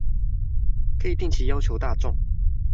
可以定期要求大眾